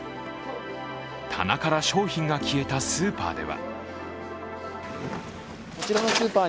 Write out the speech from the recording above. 棚から商品が消えたスーパーでは